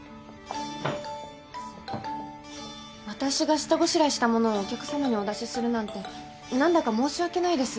私が下ごしらえしたものをお客さまにお出しするなんて何だか申し訳ないです。